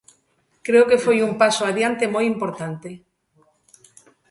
Creo que foi un paso adiante moi importante.